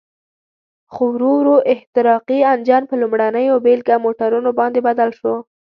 خو ورو ورو احتراقي انجن په لومړنیو بېلګه موټرونو باندې بدل شو.